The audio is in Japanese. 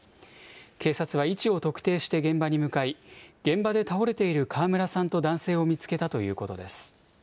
警察は位置を特定して現場に向かい、現場で倒れている川村さんと男性を見つけたということです。